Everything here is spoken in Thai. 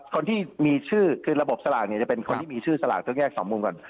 คนที่มีชื่อคือระบบสลากเนี่ยจะเป็นคนที่มีชื่อสลากต้องแยกสองมุมก่อน